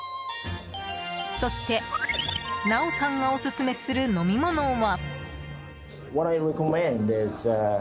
そして、ナオさんがオススメする飲み物は。